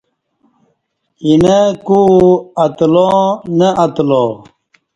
اینہ کو اتلا نہ اتلا۔